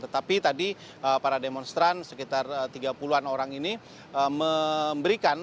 tetapi tadi para demonstran sekitar tiga puluh an orang ini memberikan